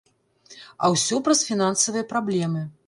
А ўсё праз фінансавыя праблемы.